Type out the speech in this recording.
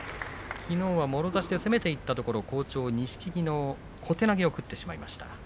きのうはもろ差しで攻めていったところ好調錦木の小手投げを食ってしまいました。